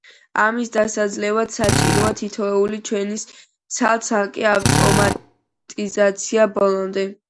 ამის დასაძლევად საჭიროა თითოეული ჩვევის ცალ-ცალკე ავტომატიზაცია ბოლომდე.